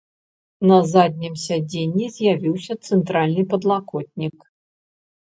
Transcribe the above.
На заднім сядзенні з'явіўся цэнтральны падлакотнік.